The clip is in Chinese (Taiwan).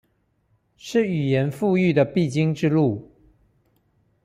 是語言復育的必經之路